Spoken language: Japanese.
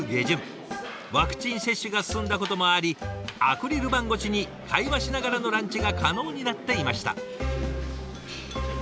ワクチン接種が進んだこともありアクリル板越しに会話しながらのランチが可能になっていました。